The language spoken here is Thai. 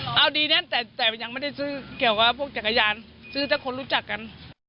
เอาดีแน่นแต่ยังไม่ได้ซื้อเกี่ยวกับพวกจักรยานซื้อแต่คนรู้จักกัน